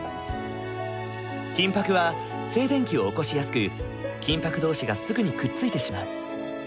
金ぱくは静電気を起こしやすく金ぱく同士がすぐにくっついてしまう。